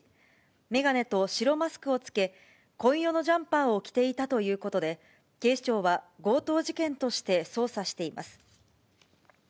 眼鏡と白マスクを着け、紺色のジャンパーを着ていたということで、警視庁は強盗事件として捜査しています。